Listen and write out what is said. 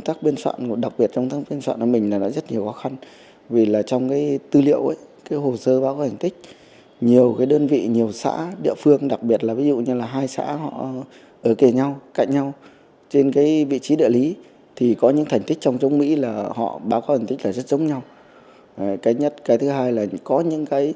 trong ba tập sách người đọc không những nắm được một cách có hệ thống về đơn vị anh hùng trong hai cuộc kháng chiến trường kỳ